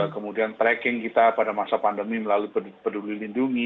kemudian tracking kita pada masa pandemi melalui berdasarkan data yang ada di dalam data ini